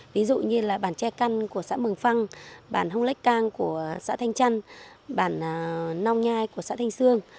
ví dụ như là bản tre căn của xã mường phăng bản hông lách cang của xã thanh trăn bản nong nhai của xã thanh sương